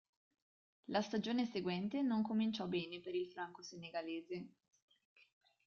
La stagione seguente non cominciò bene per il franco-senegalese.